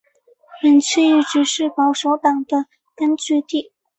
本区一直是保守党的根据地。